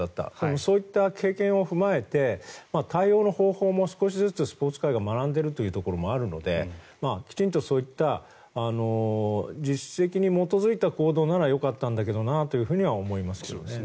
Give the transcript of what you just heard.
そういった経験を踏まえて対応の方法も少しずつスポーツ界が学んでいるところもあるのできちんとそういった実績に基づいた行動ならよかったんだけどなと思いますけどね。